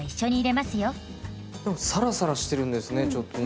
サラサラしてるんですねちょっとね。